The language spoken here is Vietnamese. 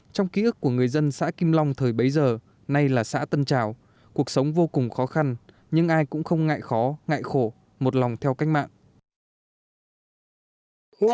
trong ký ức của người dân xã kim long thời bấy giờ nay là xã tân trào cuộc sống vô cùng khó khăn nhưng ai cũng không ngại khó ngại khổ một lòng theo cách mạng